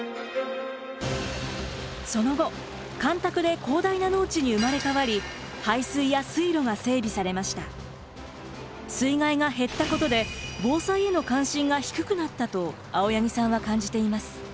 その後干拓で広大な農地に生まれ変わり水害が減ったことで防災への関心が低くなったと青柳さんは感じています。